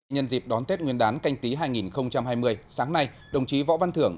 nhân dịp đón tết nguyên đán canh tí hai nghìn hai mươi sáng nay đồng chí võ văn thưởng